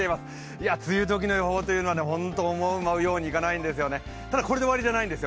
いや、梅雨時の予報というのはホント思うようにはいかないんですよね、ただこれで終わりじゃないんです。